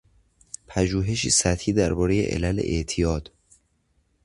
پژوهشی سطحی دربارهی علل اعتیاد